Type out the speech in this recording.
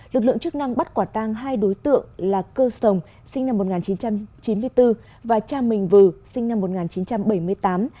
lực lượng chức năng bắt quả tang hai đối tượng là cơ sồng sinh năm một nghìn chín trăm chín mươi bốn và cha mình vừ sinh năm một nghìn chín trăm bảy mươi tám